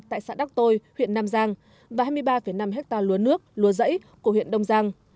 tại xã đắc tôi huyện nam giang và hai mươi ba năm hectare lúa nước lúa giẫy của huyện đông giang